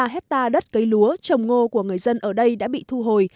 bốn mươi ba hectare đất cấy lúa trồng ngô của người dân ở đây đã bị thu hồi